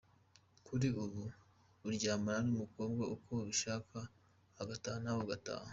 Kuri ubu uryamana n’umukobwa uko ubishaka agataha nawe ugataha .